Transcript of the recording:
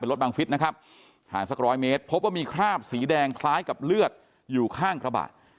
รถบังฟิศนะครับห่างสักร้อยเมตรพบว่ามีคราบสีแดงคล้ายกับเลือดอยู่ข้างกระบะ